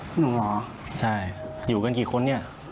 หนูเหรอใช่อยู่กันกี่คนเนี่ย